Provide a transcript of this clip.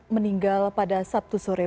meninggal pada sabtu sore